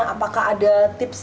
apakah ada tipis